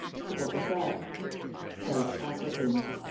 "What was that?" "South Africans!"